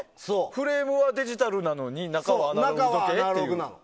フレームはデジタルなのに中はアナログ時計っていう。